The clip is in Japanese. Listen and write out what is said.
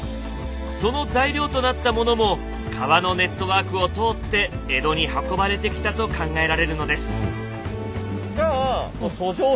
その材料となったものも川のネットワークを通って江戸に運ばれてきたと考えられるのです。